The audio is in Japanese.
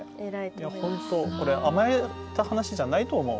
本当、甘えた話じゃないと思う。